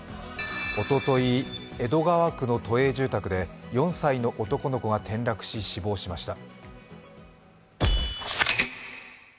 おととい、江戸川区の都営住宅で４歳の男の子が転落し、死亡しました。